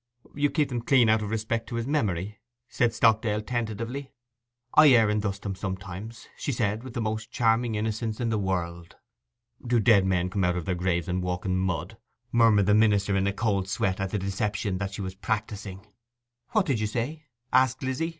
'You keep them clean out of respect to his memory?' said Stockdale tentatively. 'I air and dust them sometimes,' she said, with the most charming innocence in the world. 'Do dead men come out of their graves and walk in mud?' murmured the minister, in a cold sweat at the deception that she was practising. 'What did you say?' asked Lizzy.